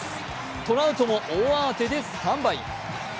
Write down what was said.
トラウトも大慌てでスタンバイ。